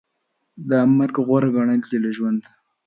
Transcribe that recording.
دا مرګ غوره ګڼل دي له ژوند